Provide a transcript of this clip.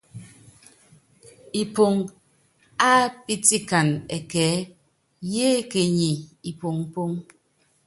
Ipoŋo ápítikana ɛkɛɛ́ yékenyié ipoŋpoŋ.